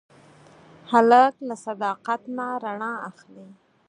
هلک له صداقت نه رڼا اخلي.